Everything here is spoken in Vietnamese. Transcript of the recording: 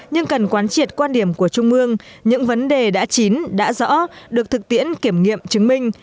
nhưng cần quán triệt quan điểm của trung mương những vấn đề đã chín đã rõ được thực tiễn kiểm nghiệm chứng minh